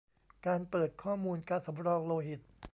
การเปิดข้อมูลการสำรองโลหิต